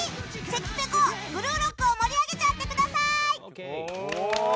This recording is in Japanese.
関ぺこ、「ブルーロック」を盛り上げちゃってください！